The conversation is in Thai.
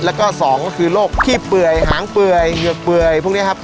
แล้วก็สองก็คือโรคขี้เปื่อยหางเปื่อยเหงือกเปื่อยพวกนี้ครับ